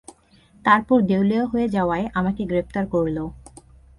তারপর দেউলিয়া হয়ে যাওয়ায় আমাকে গ্রেপ্তার করল।